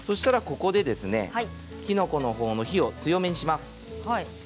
ここできのこのほうの火を強めにします。